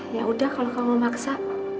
ya udah kalau kamu maksa